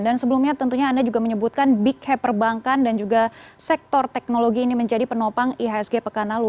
dan sebelumnya tentunya anda juga menyebutkan big hacker bankan dan juga sektor teknologi ini menjadi penopang ihsg pekan lalu